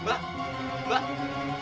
pak kamu dibawa kemana